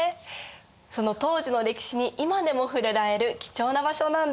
その当時の歴史に今でも触れられる貴重な場所なんです。